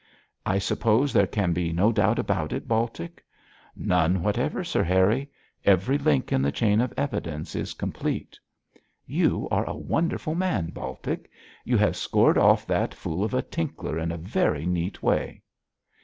'I suppose there can be no doubt about it, Baltic?' 'None whatever, Sir Harry. Every link in the chain of evidence is complete.' 'You are a wonderful man, Baltic; you have scored off that fool of a Tinkler in a very neat way.'